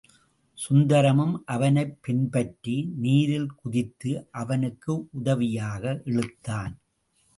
சுந்தரமும் அவனைப் பின்பற்றி நீரில் குதித்து அவனுக்கு உதவியாக இழுத்தான்.